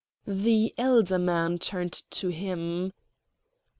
The elder man turned to him.